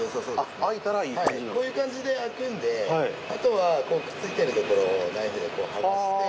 こういう感じで開くんでアトはこのくっ付いているところをナイフでこうはがしてはぁ。